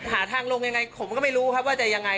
หาทางลงยังไงผมก็ไม่รู้ครับว่าจะยังไง